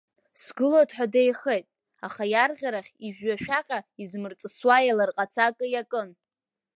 Сгылоит ҳәа деихеит, аха иарӷьарахь ижәҩашәаҟьа измырҵысуа еиларҟаца акы иакын.